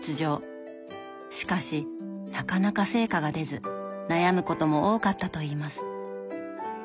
しかしなかなか成果が出ず悩むことも多かったといいます。